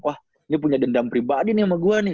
wah dia punya dendam pribadi nih sama gue nih